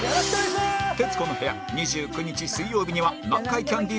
『徹子の部屋』２９日水曜日には南海キャンディーズが登場